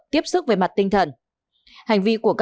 tiếp xúc và giúp đỡ đối tượng